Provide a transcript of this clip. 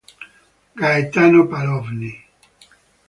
Gaetano Palloni